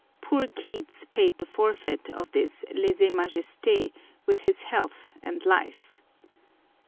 Poor Keats paid the forfeit of this leze majeste with his health and life.